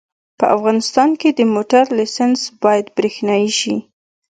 په افغانستان کې د موټر لېسنس باید برېښنایي شي